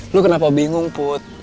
lo kenapa bingung put